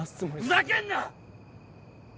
ふざけんな！